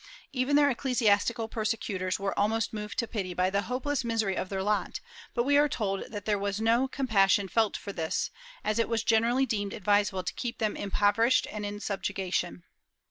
Even their eccle siastical persecutors were almost moved to pity by the hopeless misery of their lot, but we are told that there was no compassion felt for this, as it was generally deemed advisable to keep them impoverished and in subjection.